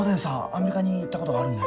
アメリカに行ったことがあるんな？